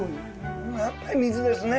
やっぱり水ですね。